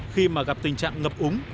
khi mà gặp tình trạng ngập úng